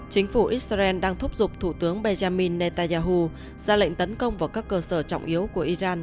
chính phủ israel đang thúc giục thủ tướng benjamin netanyahu ra lệnh tấn công vào các cơ sở trọng yếu của iran